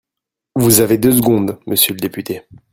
Vous avez deux secondes, monsieur le député.